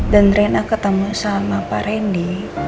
dan reina ketemu sama pak randy